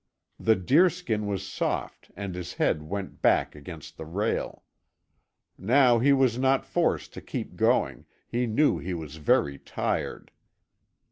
The deerskin was soft and his head went back against the rail. Now he was not forced to keep going, he knew he was very tired.